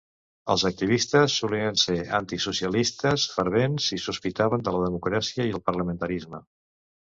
Els activistes solien ser antisocialistes fervents i sospitaven de la democràcia i el parlamentarisme.